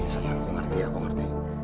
sayang aku ngerti aku ngerti